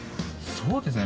そうですね